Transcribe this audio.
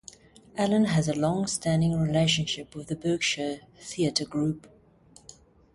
Allen has a long-standing relationship with the Berkshire Theater Group.